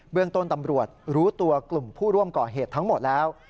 เรื่องต้นตำรวจรู้ตัวกลุ่มผู้ร่วมก่อเหตุทั้งหมดแล้ว